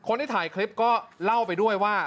คนที่ถ่ายคลิปก็เล่าไปด้วยว่า